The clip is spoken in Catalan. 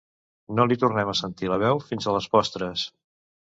No li tornem a sentir la veu fins a les postres.